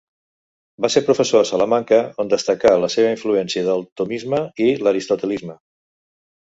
Va ser professor a Salamanca, on destacà la seva influència del tomisme i l'aristotelisme.